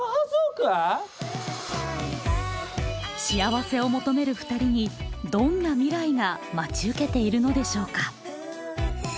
幸せを求めるふたりにどんな未来が待ち受けているのでしょうか？